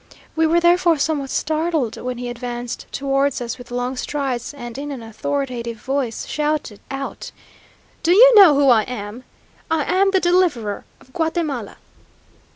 We were therefore somewhat startled when he advanced towards us with long strides, and in an authoritative voice shouted out, "Do you know who I am? I am the Deliverer of Guatemala!"